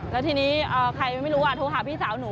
แล้วทีนี้ใครไม่รู้โทรหาพี่สาวหนู